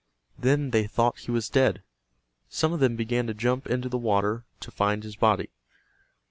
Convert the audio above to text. Then they thought he was dead. Some of them began to jump into the water to find his body.